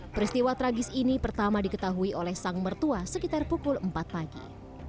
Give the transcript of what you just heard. peristiwa tragis ini pertama diketahui oleh sang mertua sekitar pukul empat pagi